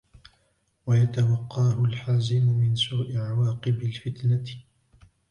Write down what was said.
وَيَتَوَقَّاهُ الْحَازِمُ مِنْ سُوءِ عَوَاقِبِ الْفِتْنَةِ